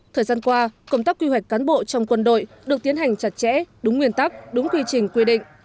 thời gian qua công tác quy hoạch cán bộ trong quân đội được tiến hành chặt chẽ đúng nguyên tắc đúng quy trình quy định